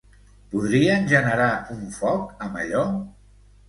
Podrien generar un foc amb allò?